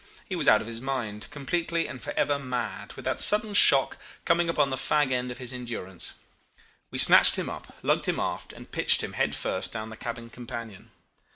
He was out of his mind; completely and for ever mad, with this sudden shock coming upon the fag end of his endurance. We snatched him up, lugged him aft, and pitched him head first down the cabin companion.